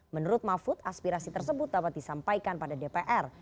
menurut mahfud aspirasi tersebut dapat disampaikan pada dpr